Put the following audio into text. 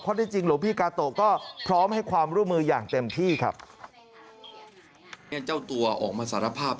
เพราะที่จริงหลวงพี่กาโตก็พร้อมให้ความร่วมมืออย่างเต็มที่ครับ